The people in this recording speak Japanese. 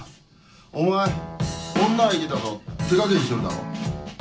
お前女相手だと手加減してるだろ。